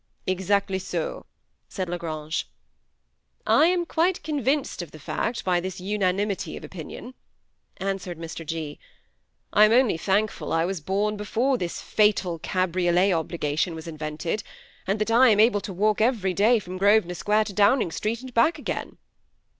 " Exactly so," said La Grange. " I am quite convinced of the fact by this unanimity of opinion," answered Mr. G. " I am only thankful I was born before this fatal cabriolet obligation was in vented, and that I am able to walk every day from Grosvenor Square to Downing Street, and back again."